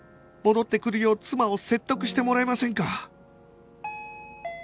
戻ってくるよう妻を説得してもらえませんか？